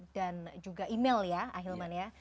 dan juga email ya ahilman ya